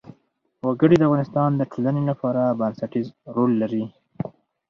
وګړي د افغانستان د ټولنې لپاره بنسټيز رول لري.